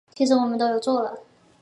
其实我们都有做了